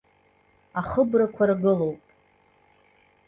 Ахыбрақәа ргылоуп.